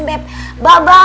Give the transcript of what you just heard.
mas iti mau ngasih